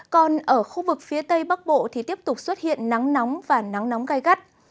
còn ở khu vực phía tây bắc bộ thì tiếp tục xuất hiện nắng nóng và nắng nóng gai gắt